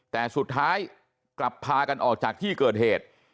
แต่สุดท้ายกลับพากันออกจากที่เกิดเหตุ